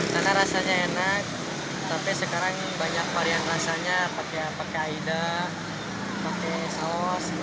karena rasanya enak tapi sekarang banyak varian rasanya pakai aida pakai saus